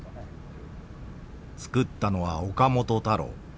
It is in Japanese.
作ったのは岡本太郎。